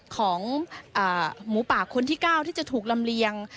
ของหมูป่าคนที่๙ที่จะถูกลำเลียง